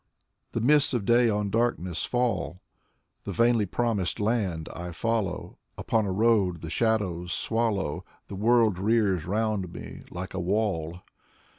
The mists of day on darkness fall; The vainly promised land I follow Upon a road the shadows swallow ; The world rears round me like a wall.